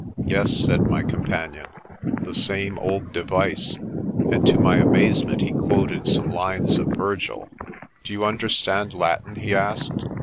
"Yes," said my companion, "the same old device," and to my amazement he quoted some lines of Virgil. "Do you understand Latin?" he asked.